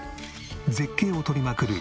絶景を撮りまくる